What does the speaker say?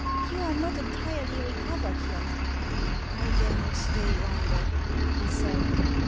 "You are not entirely recovered yet." "I dare not stay longer," he said.